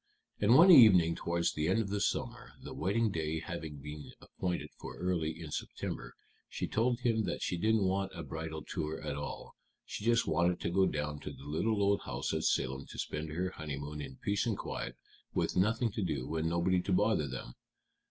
And one evening towards the end of the summer, the wedding day having been appointed for early in September, she told him that she didn't want a bridal tour at all; she just wanted to go down to the little old house at Salem to spend her honeymoon in peace and quiet, with nothing to do and nobody to bother them.